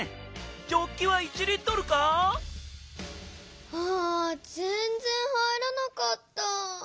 ジョッキは１Ｌか⁉あぜんぜん入らなかった。